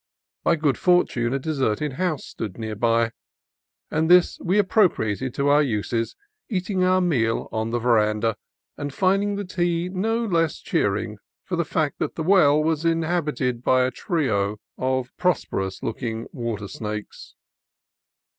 By good fortune a deserted house stood near by, and this we appro priated to our uses, eating our meal on the veranda, and finding the tea no less cheering for the fact that the well was inhabited by a trio of prosperous look ing water snakes.